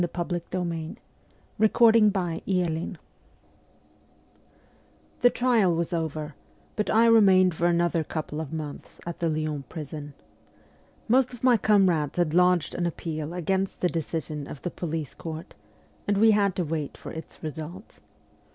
268 MEMOIRS OF A REVOLUTIONIST XIII THE trial was over, but I remained for another couple of months at the Lyons prison. Most of my com rades had lodged an appeal against the decision of the police court and we had to wait for its results.